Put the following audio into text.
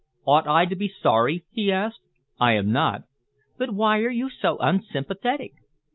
"Ought I to be sorry?" he asked. "I am not." "But why are you so unsympathetic?"